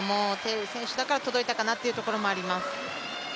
雨選手だから届いたかなってというところもあります。